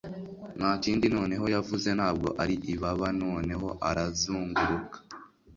ntakindi noneho yavuze - ntabwo ari ibaba noneho arazunguruka